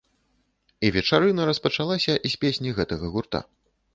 І вечарына распачалася з песні гэтага гурта.